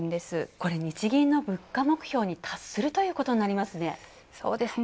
これ、日銀の物価目標に達するということになりますね。